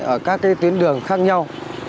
ở các tuyến đường khác nhau